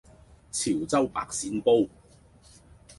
潮州白鱔煲